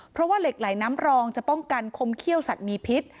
เพราะว่าเหล็กไหลน้ำรองจะป้องกันคมเขี้ยวสัตว์มีพิษ